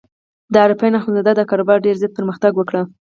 د عارفین اخندزاده کاروبار ډېر زیات پرمختګ وکړ.